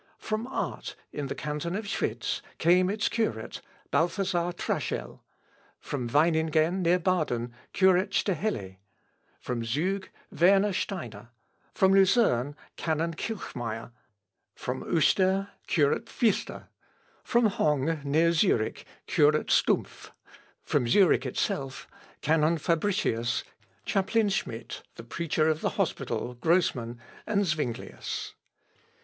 From Art, in the canton of Schwitz, came its curate, Balthasar Traschel; from Weiningen near Baden, curate Staheli; from Zug, Werner Steiner; from Lucerne, canon Kilchmeyer; from Uster, curate Pfister; from Hongg, near Zurich, curate Stumpff; from Zurich itself, canon Fabricius, chaplain Schmid, the preacher of the hospital, Grosmann, and Zuinglius.